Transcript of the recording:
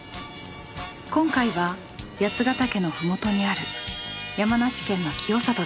今回は八ヶ岳の麓にある山梨県の清里です。